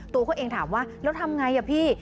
ตัวเขาเองถามว่าแล้วทำไงอ่ะพี่